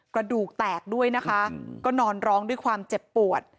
กระดูกแตกด้วยนะคะก็นอนร้องด้วยความเจ็บปวด